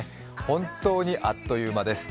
本当にあっという間です。